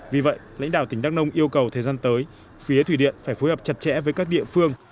vì vậy lãnh đạo tỉnh đắk nông yêu cầu thời gian tới phía thủy điện phải phối hợp chặt chẽ với các địa phương